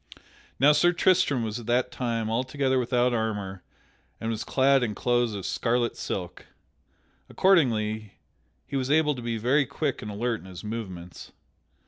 Now Sir Tristram was at that time altogether without armor and was clad in clothes of scarlet silk. Accordingly, he was able to be very quick and alert in his movements.